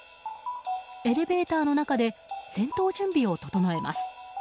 エレベーターの中で戦闘準備を整えます。